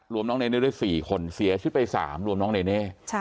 รวมน้องเนเน่ด้วย๔คนเสียชีวิตไป๓รวมน้องเนเน่